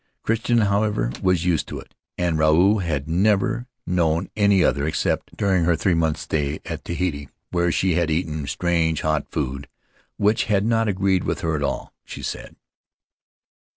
Crichton, however, was used to it, and Ruau had never known any other except during her three months' stay at Tahiti, where she had eaten strange hot food which had not agreed with her at all, she said.